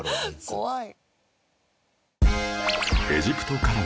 怖い。